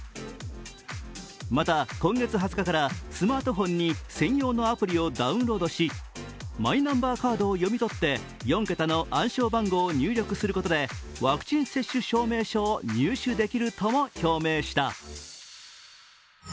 また今月２０日からスマートフォンに専用のアプリをダウンロードし、マイナンバーカードを読み取って４桁の暗証番号を入力することでワクチン接種証明を入手できるとも表明した。